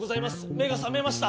目が覚めました。